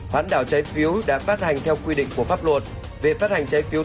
hoãn đảo trái phiếu đã phát hành theo quy định của pháp luật về phát hành trái phiếu